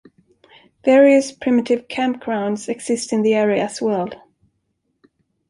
Various primitive campgrounds exist in the area as well.